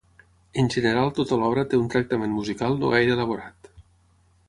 En general tota l'obra té un tractament musical no gaire elaborat.